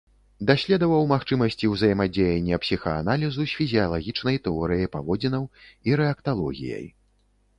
Даследаваў магчымасці ўзаемадзеяння псіхааналізу з фізіялагічнай тэорыяй паводзінаў і рэакталогіяй.